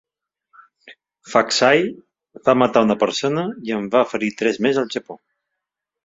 Faxai va matar una persona i en va ferir tres més al Japó.